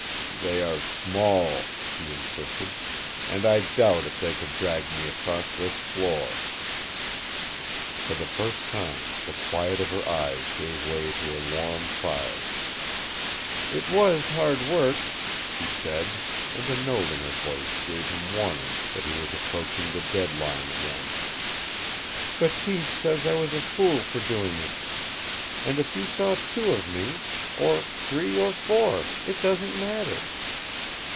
"They are small," he insisted, "and I doubt if they could drag me across this floor." For the first time the quiet of her eyes gave way to a warm fire. "It was hard work," she said, and the note in her voice gave him warning that he was approaching the dead line again. "Bateese says I was a fool for doing it. And if you saw two of me, or three or four, it doesn't matter.